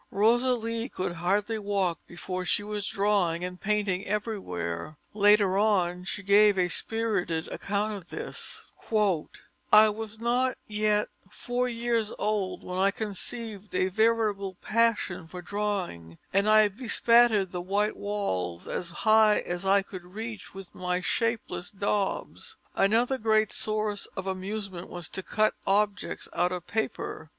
] Rosalie could hardly walk before she was drawing and painting everywhere. Later on, she gave a spirited account of this: "I was not yet four years old when I conceived a veritable passion for drawing, and I bespattered the white walls as high as I could reach with my shapeless daubs: another great source of amusement was to cut objects out of paper.